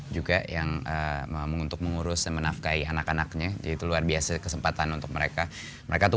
juga yang untuk mengurus menafkai anak anaknya jadi luar biasa kesempatan untuk mereka mereka tuh